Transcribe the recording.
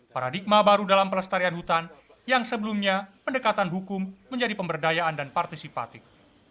paradigma baru dalam pelestarian hutan yang sebelumnya pendekatan hukum menjadi pemberdayaan dan partisipatif